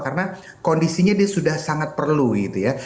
karena kondisinya dia sudah sangat perlu gitu ya